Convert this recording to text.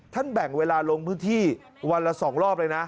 แบ่งเวลาลงพื้นที่วันละ๒รอบเลยนะ